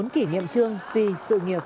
một mươi bốn kỉ niệm chương vì sự nghiệp